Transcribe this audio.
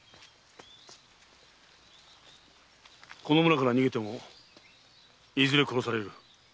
この村から逃げてもいずれ殺される。